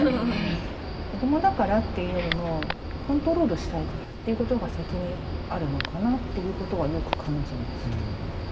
子どもだからっていうよりもコントロールしたいからっていうことが先にあるのかなっていうことはよく感じます。